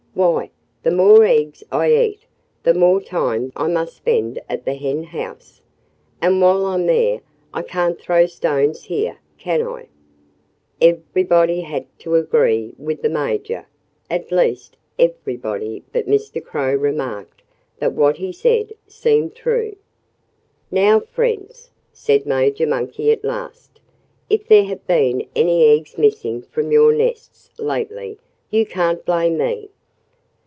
Why, the more eggs I eat, the more time I must spend at the henhouse. And while I'm there I can't throw stones here, can I?" Everybody had to agree with the Major. At least, everybody but Mr. Crow remarked that what he said seemed true. "Now, friends," said Major Monkey at last, "if there have been any eggs missing from your nests lately you can't blame me."